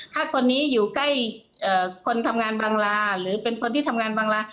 ถ้าคนนี้อยู่ใกล้คนทำงานบังลาหรือเป็นคนที่ทำงานบังลา